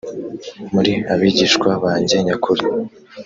muri abigishwa banjye nyakuri